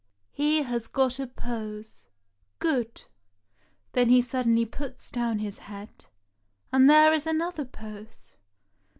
He has got a pose. Good! Then he suddenly puts down his head, and there is an other pose.